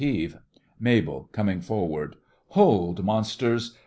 RECIT MABEL: (coming forward) Hold, monsters!